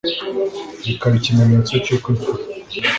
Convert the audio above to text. bikaba ikimenyetso cy'uko imfura